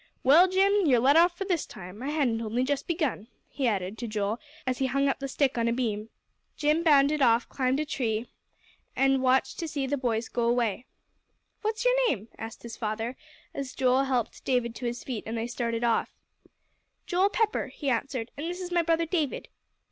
"Well, Jim, you're let off for this time. I hadn't only just begun," he added to Joel, as he hung up the stick on a beam. Jim bounded off, climbed a tree, and watched to see the boys go away. [Illustration: "OH SIR,' HE CRIED, 'PLEASE DON'T WHIP JIM ANY MORE'"] "What's your name?" asked his father, as Joel helped David to his feet, and they started off. "Joel Pepper," he answered, "and this is my brother David.